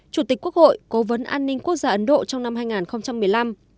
chủ tịch quốc hội cố vấn an ninh quốc gia ấn độ trong năm hai nghìn một mươi năm